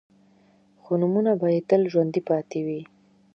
خو نومونه به يې تل ژوندي پاتې وي.